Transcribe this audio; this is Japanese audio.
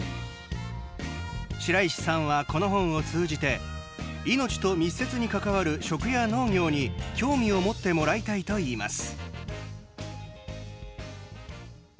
白石さんはこの本を通じて命と密接に関わる食や農業に興味を持ってもらいたいといいます。